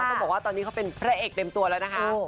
ต้องบอกว่าตอนนี้เขาเป็นพระเอกเต็มตัวแล้วนะคะ